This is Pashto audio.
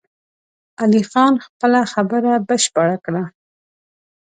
علي خان خپله خبره بشپړه کړه!